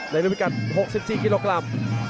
รุ่นพิกัด๖๔กิโลกรัม